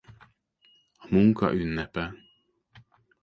A munka ünnepe.